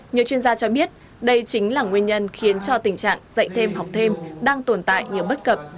nhiều chuyên gia cho biết đây chính là nguyên nhân khiến cho tình trạng dạy thêm học thêm đang tồn tại nhiều bất cập